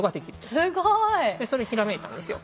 すごい。それひらめいたんですよ。